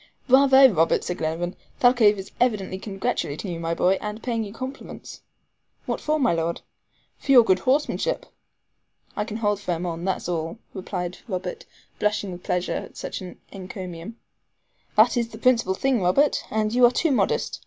"Bravo! Robert," said Glenarvan. "Thalcave is evidently congratulating you, my boy, and paying you compliments." "What for, my Lord?" "For your good horsemanship." "I can hold firm on, that's all," replied Robert blushing with pleasure at such an encomium. "That is the principal thing, Robert; but you are too modest.